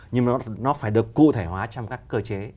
nhưng mà nó phải được cụ thể hóa trong các cơ chế